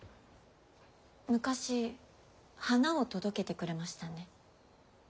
昔花を届けてくれましたね。